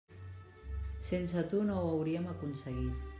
Sense tu no ho hauríem aconseguit.